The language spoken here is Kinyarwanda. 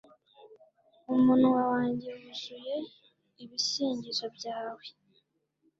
Umunwa wanjye wuzuye ibisingizo byawe